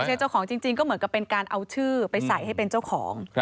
เจ้าของจริงก็เหมือนกับเป็นการเอาชื่อไปใส่ให้เป็นเจ้าของ